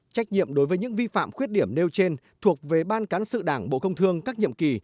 trách nhiệm đối với những vi phạm khuyết điểm nêu trên thuộc về ban cán sự đảng bộ công thương các nhiệm kỳ